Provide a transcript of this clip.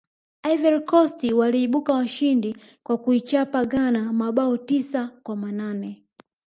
ivory coast waliibuka washindi kwa kuichapa ghana mabao tisa kwa manane